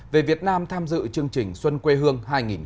về việt nam tham dự chương trình xuân quê hương hai nghìn hai mươi